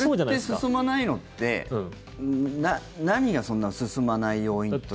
それって、進まないのって何がそんな進まない要因として。